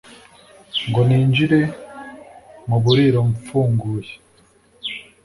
ngo ninjire m'uburiro mfungure